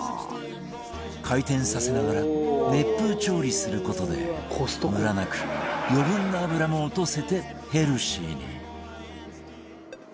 回転させながら熱風調理する事でムラなく余分な脂も落とせてヘルシーに